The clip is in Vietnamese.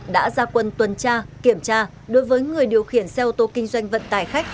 đã ra quân tuần tra kiểm tra đối với người điều khiển xe ô tô kinh doanh vận tải khách